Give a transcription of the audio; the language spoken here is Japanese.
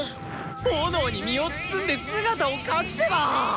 炎に身を包んで姿を隠せば！